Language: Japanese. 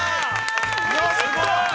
◆すごい。